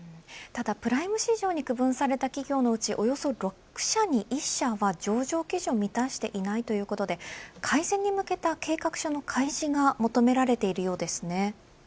ただ、プライム市場に区分された企業のうちおよそ６社に１社は上場基準を満たしていないということで改善に向けた計画書の開示が求められているようですね。